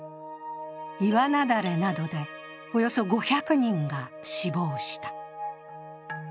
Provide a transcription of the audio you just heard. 岩雪崩などでおよそ５００人が死亡した。